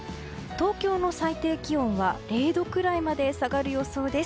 東京の最低気温は０度くらいまで下がる予想です。